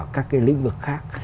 các cái lĩnh vực khác